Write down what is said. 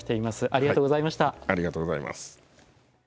ありがとうございます。